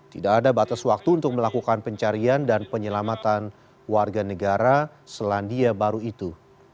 tidak ada batas waktu untuk melakukan pencarian dan penyelamatan warga negara selandia baru itu